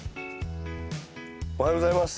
おはようございます。